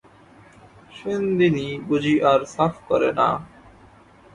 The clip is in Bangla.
সেনদিনি বুঝি আর সাফ করে না?